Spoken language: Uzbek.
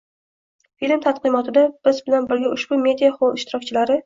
Film taqdimotida biz bilan birga ushbu “Media xoll” ishtirokchilari